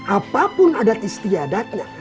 apapun adat istiadatnya